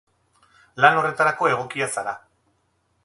Lan horretarako egokia zara.